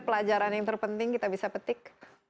pelajaran yang terpenting kita bisa petik